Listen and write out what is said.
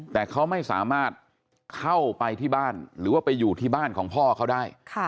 แต่เขาไม่สามารถเข้าไปที่บ้านหรือว่าไปอยู่ที่บ้านของพ่อเขาได้